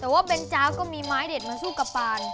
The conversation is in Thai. แต่ว่าเบนจาร์ก็มีไม้เด็ดมาสู้กับปาน